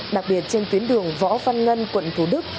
đặc biệt trên tuyến đường võ văn ngân quận thủ đức